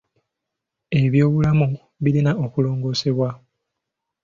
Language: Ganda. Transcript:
Ebyobulamu birina okulongoosebwa.